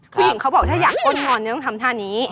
คุณหญิงเขาบอกถ้าอยากกล้นหงอนี่ต้องทำทานี้